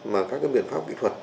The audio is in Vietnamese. mà các cái biện pháp kỹ thuật